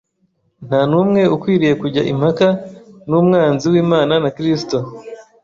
Nta n’umwe ukwiriye kujya impaka n’umwanzi w’Imana na Kristo